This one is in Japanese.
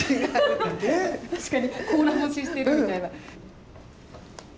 確かに甲羅干ししてるみたいな。